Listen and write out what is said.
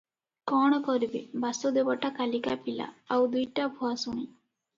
କ’ଣ କରିବେ – ବାସୁଦେବଟା କାଲିକା ପିଲା, ଆଉ ଦୁଇଟା ଭୁଆସୁଣୀ ।